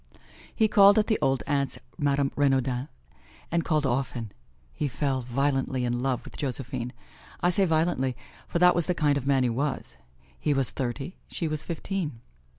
He called at the old aunt's, Madame Renaudin's, and called often. He fell violently in love with Josephine. I say violently, for that was the kind of man he was. He was thirty, she was fifteen.